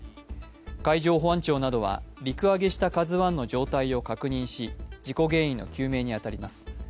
海上保安庁などは陸揚げした「ＫＡＺＵⅠ」の状態を確認し事故原因の究明に当たります。